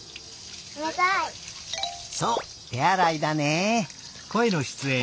そうてあらいだね。